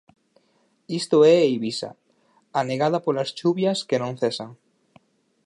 Isto é Eivisa, anegada polas chuvias que non cesan.